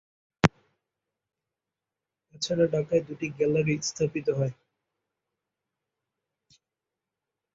এছাড়া ঢাকায় দুটি গ্যালারি স্থাপিত হয়।